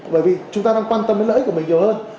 bởi vì chúng ta đang quan tâm đến lợi ích của mình nhiều hơn